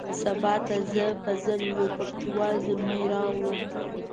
سبا ته زه فضل یو پکتیا وال زلمی راغلو.